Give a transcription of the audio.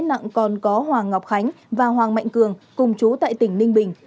nặng còn có hoàng ngọc khánh và hoàng mạnh cường cùng chú tại tỉnh ninh bình